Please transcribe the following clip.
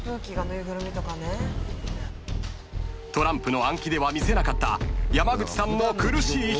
［トランプの暗記では見せなかった山口さんの苦しい表情］